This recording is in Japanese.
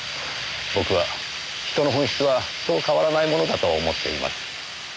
僕は人の本質はそう変わらないものだと思っています。